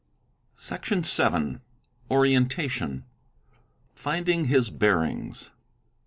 Section vii.— Orientation "—Finding his Bearings.